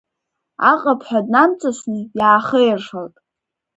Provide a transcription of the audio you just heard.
Аҟыԥҳәа днамҵасны иаахеиршалт.